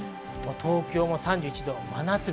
東京３１度、真夏日。